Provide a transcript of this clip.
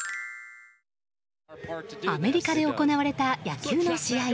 アメリカで行われた野球の試合。